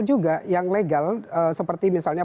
juga yang legal seperti misalnya